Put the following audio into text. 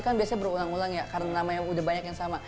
kan biasanya berulang ulang ya karena namanya udah banyak yang sama